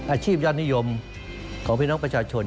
อาชีพยอดนิยมของพี่น้องประชาชน